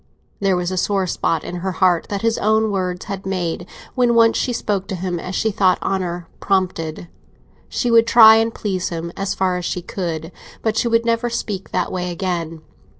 There was a sore spot in her heart that his own words had made when once she spoke to him as she thought honour prompted; she would try and please him as far as she could, but she would never speak that way again.